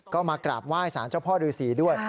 ก็มากราบไหว้สารเจ้าพ่อฤษีด้วย